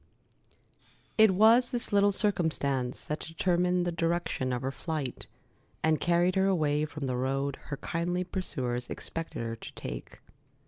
It was this little circumstance that determined the direction of her flight, and carried her away from the road her kindly pursuers expected her to take.